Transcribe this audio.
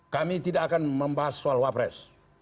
kami tidak akan membahas soal wapres